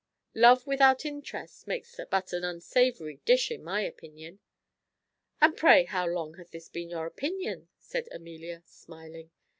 Love without interest makes but an unsavoury dish, in my opinion." "And pray how long hath this been your opinion?" said Amelia, smiling.